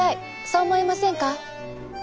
そう思いませんか？